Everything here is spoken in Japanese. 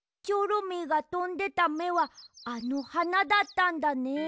チョロミーがとんでためはあのはなだったんだね。